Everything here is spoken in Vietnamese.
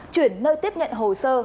chuyển nơi tiếp nhận hồ sơ